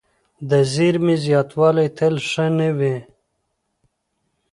د زیرمې زیاتوالی تل ښه نه وي.